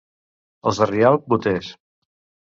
Els de Rialp, boters.